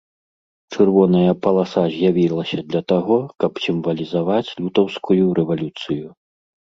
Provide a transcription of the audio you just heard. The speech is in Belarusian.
Чырвоная паласа з'явілася для таго, каб сімвалізаваць лютаўскую рэвалюцыю.